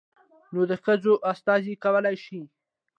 نود ښځو استازي کولى شي.